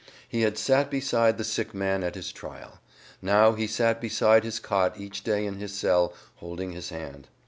He had sat beside the sick man at his trial; now he sat beside his cot each day in his cell, holding his hand.